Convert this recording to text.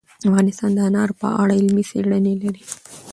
افغانستان د انار په اړه علمي څېړنې لري.